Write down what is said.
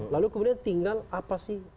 lalu kemudian tinggal apa sih